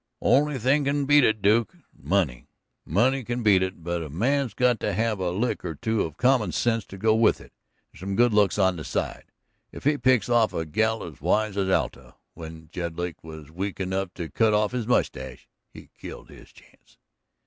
"Only thing can beat it, Duke money. Money can beat it, but a man's got to have a lick or two of common sense to go with it, and some good looks on the side, if he picks off a girl as wise as Alta. When Jedlick was weak enough to cut off his mustache, he killed his chance."